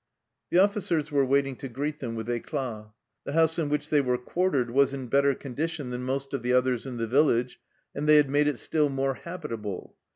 The officers were waiting to greet them with eclat. The house in which they were quartered was in better condition than most of the others in the village, and they had made it still more habitable.